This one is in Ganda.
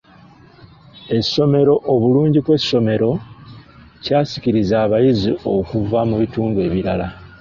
Essomero obulungi kw'essomero kyasikiriza abayizi okuvu mu bitundu ebirala.